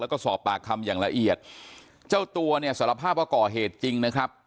แล้วก็สอบปากคำอย่างละเอียดเจ้าตัวเนี่ยสารภาพว่าก่อเหตุจริงนะครับ